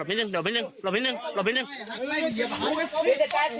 ระวังลนเฮ้ยนี่เข้าไปจะดูเข้าไปดู